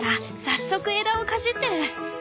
早速枝をかじってる。